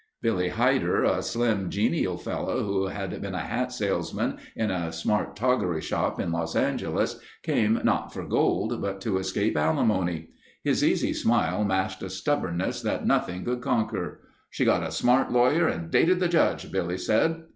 Billy Heider, a slim, genial fellow who had been a hat salesman in a smart toggery shop in Los Angeles came not for gold but to escape alimony. His easy smile masked a stubbornness that nothing could conquer. "... she got a smart lawyer and dated the Judge," Billy said.